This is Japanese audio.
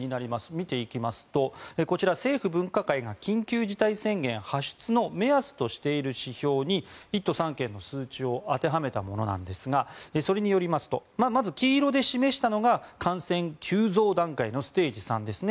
見ていきますと、こちら政府分科会が緊急事態宣言発出の目安としている指標に１都３県の数値を当てはめたものなんですがそれによりますとまず黄色で示したのが感染急増段階のステージ３ですね。